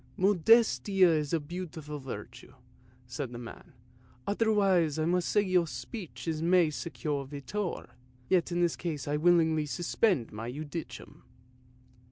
" Modestia is a beautiful virtue," said the man; " otherwise I must say to your speech mihi secus videtur, yet in this case I willingly suspend my judicium."